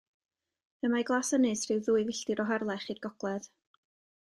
Y mae Glasynys rhyw ddwy filltir o Harlach i'r gogledd.